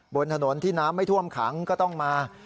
บนถนนที่น้ำไม่ท่วมขังก็ต้องมา